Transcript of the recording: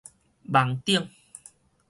網頂